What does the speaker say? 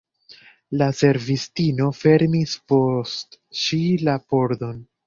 La servistino fermis post ŝi la pordon.